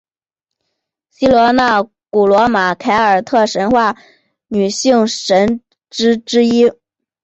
希罗纳古罗马凯尔特神话女性神只之一。